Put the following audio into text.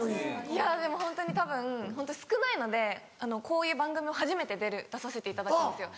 いやでもホントにたぶん少ないのでこういう番組も初めて出させていただいたんですよ。